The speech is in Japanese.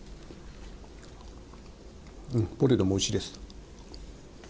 ポテトもおいしいです。